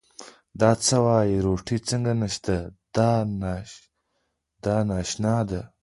دا څه وایې، روټۍ څنګه نشته، دا ناشتا ده.